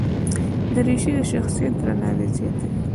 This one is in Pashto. دریشي د شخصیت درناوی زیاتوي.